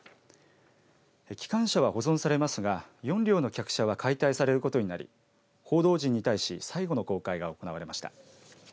機関車は保存されますが４両の客車は解体されることになり報道陣に対し最後の公開が行われました。